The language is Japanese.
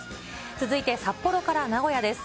続いて札幌から名古屋です。